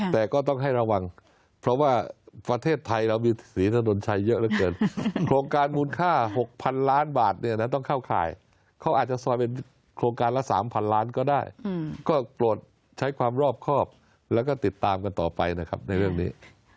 แต่ก็ต้องให้ระวังเพราะว่าประเทศไทยเรามีศรีถนนชัยเยอะเหลือเกินโครงการมูลค่า๖๐๐๐ล้านบาทเนี่ยนะต้องเข้าข่ายเขาอาจจะซอยเป็นโครงการละ๓๐๐ล้านก็ได้ก็โปรดใช้ความรอบครอบแล้วก็ติดตามกันต่อไปนะครับในเรื่องนี้